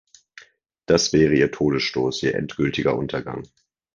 Das wäre ihr Todesstoß, ihr endgültiger Untergang.